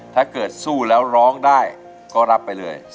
ถ้าเกิดสู้แล้วร้องได้ก็รับไปเลย